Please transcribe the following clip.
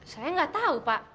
saya gak tau pak